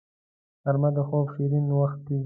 غرمه د خوب شیرین وخت وي